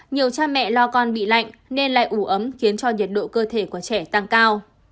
nhiều cha mẹ lo con bị lạnh nên lại ủ ấm khiến cho nhiệt độ cơ thể của trẻ tăng cao